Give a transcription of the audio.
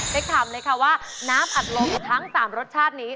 ถามเลยค่ะว่าน้ำอัดลมทั้ง๓รสชาตินี้